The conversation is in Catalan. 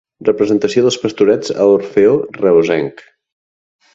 Representació dels Pastorets a l'Orfeó Reusenc.